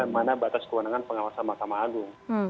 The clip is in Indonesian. dan mana batas kewenangan pengawasan mahkamah agung